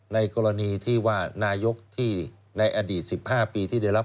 ในกรณีที่ว่านายกที่ในอดีต๑๕ปีที่ได้รับ